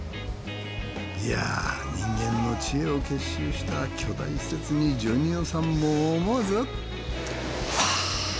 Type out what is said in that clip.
いやぁ人間の知恵を結集した巨大施設にジョニ男さんも思わず。